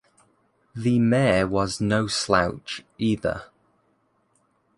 The mare was no slouch, either.